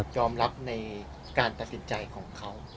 ยอมรับในการตัดสินใจของเขา